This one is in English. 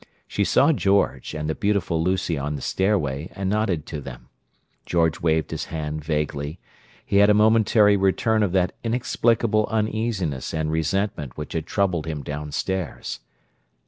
She saw George and the beautiful Lucy on the stairway, and nodded to them. George waved his hand vaguely: he had a momentary return of that inexplicable uneasiness and resentment which had troubled him downstairs.